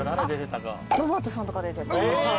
ロバートさんとか。